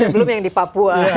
belum yang di papua